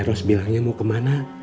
eros bilangnya mau kemana